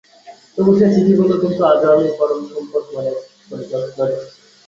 তবু সেই চিঠিগুলো কিন্তু আজও আমি পরম সম্পদ মনে করে যত্নে রেখেছি।